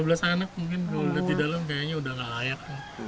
lima belas anak mungkin kalau dilihat di dalam kayaknya udah gak layak